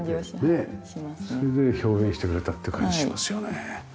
それで表現してくれたって感じしますよね。